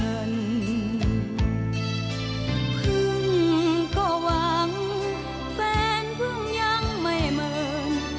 พึ่งก็หวังแฟนเพิ่งยังไม่เมิน